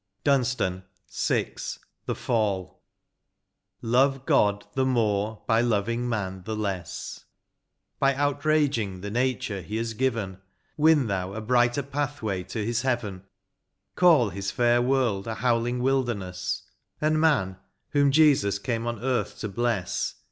141 LXX. DUNSTAN. — VI. THE FALL. Love God the more by loving man the less ; By outraging the nature He has given, Win thou a brighter pathway to his Heaven ; Call his fair world a howling wilderness, And man, whom Jesus came on earth to bless.